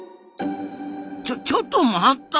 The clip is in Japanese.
ちょちょっと待った！